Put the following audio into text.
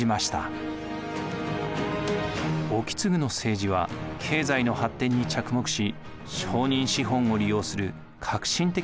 意次の政治は経済の発展に着目し商人資本を利用する革新的なものでした。